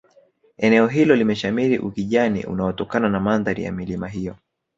eneo hilo limeshamiri ukijani unaotokana na mandhari ya milima hiyo